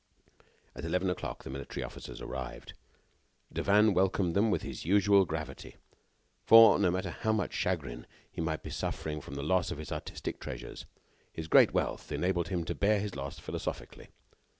At eleven o'clock the military officers arrived. Devanne welcomed them with his usual gayety; for, no matter how much chagrin he might suffer from the loss of his artistic treasures, his great wealth enabled him to bear his loss philosophically.